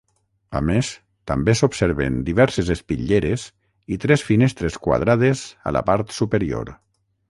A més, també s'observen diverses espitlleres i tres finestres quadrades a la part superior.